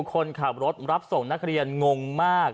คนขับรถรับส่งนักเรียนงงมาก